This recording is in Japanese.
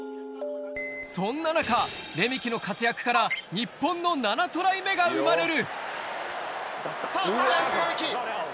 そんな中、レメキの活躍から日本の７トライ目が生まれる。